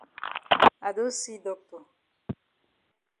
I don see doctor.